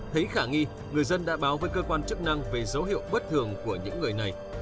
thấy khả nghi người dân đã báo với cơ quan chức năng về dấu hiệu bất thường của những người này